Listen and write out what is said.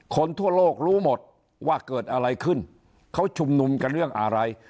คนทั่วโลกรู้หมดว่าเกิดอะไรขึ้นเขาชุมนุมกันเรื่องอะไร